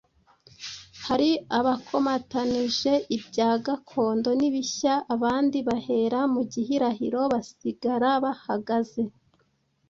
hari abakomatanije ibya gakondo n'ibishya abandi bahera mu gihirahiro basigara bahagaze